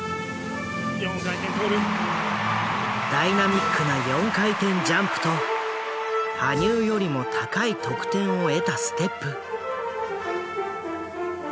ダイナミックな４回転ジャンプと羽生よりも高い得点を得たステップ。